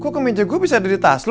kok kemeja gue bisa ada di tas lu